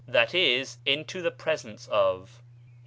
6. in to the presence of).